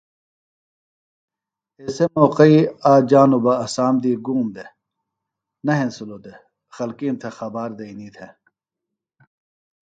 ایسےۡ موقئی آک جانوۡ بہ اسام دی گُوم دےۡ نہ ہینسِلوۡ دےۡ خلکیم تھےۡ خبار دئنی تھےۡ